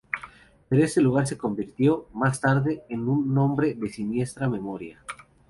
Pero este lugar se convirtió, más tarde, en un nombre de siniestra memoria.